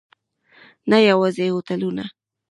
نه یوازې هوټلونه.